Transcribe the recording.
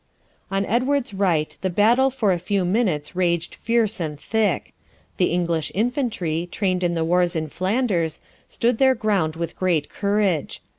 On Edward's right the battle for a few minutes raged fierce and thick. The English infantry, trained in the wars in Flanders, stood their ground with great courage.